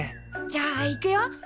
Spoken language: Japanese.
じゃあいくよ。